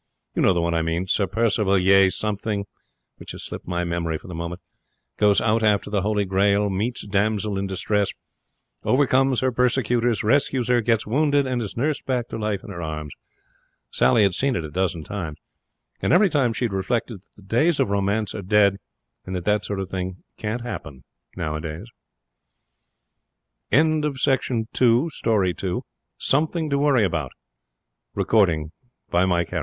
You know the one I mean. Sir Percival Ye Something (which has slipped my memory for the moment) goes out after the Holy Grail; meets damsel in distress; overcomes her persecutors; rescues her; gets wounded, and is nursed back to life in her arms. Sally had seen it a dozen times. And every time she had reflected that the days of romance are dead, and that that sort of thing can't happen nowadays. DEEP WATERS Historians of the social life of the later Roman Empire speak